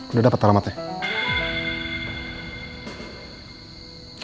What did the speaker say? udah dapat alamatnya